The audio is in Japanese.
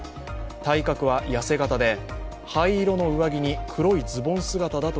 体格は痩せ型で灰色の上着に黒いズボン姿。